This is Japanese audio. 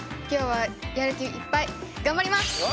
今日はやる気いっぱい頑張ります！